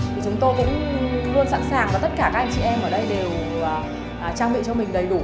thì chúng tôi cũng luôn sẵn sàng và tất cả các anh chị em ở đây đều trang bị cho mình đầy đủ